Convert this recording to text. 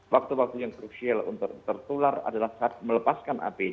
waktu waktu yang krusial untuk tertular adalah saat melepaskan apd